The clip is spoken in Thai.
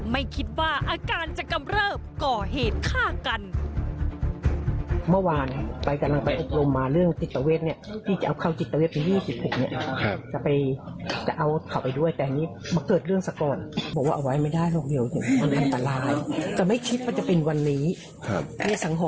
ไม่คิดว่าอาการจะกำเริบก่อเหตุฆ่ากัน